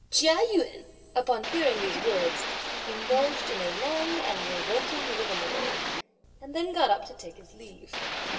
Chia Yün, upon hearing these words, indulged in a long and revolting rigmarole, and then got up to take his leave.